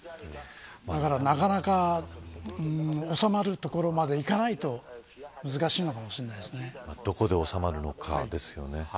だから、なかなか収まるところまでいかないとどこで収まるのかですよね。